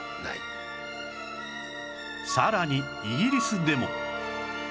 さらにイギリスでも